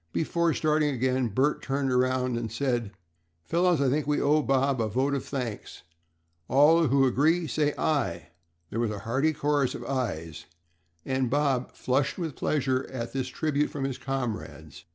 Before starting again Bert turned around and said, "Fellows, I think we owe Bob a vote of thanks. All who agree please say 'Aye'." There was a hearty chorus of "Ayes," and Bob flushed with pleasure at this tribute from his comrades.